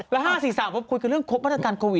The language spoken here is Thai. แล้ว๕๔๓แล้วคุยกับเรื่องวัฒนการณ์โควิท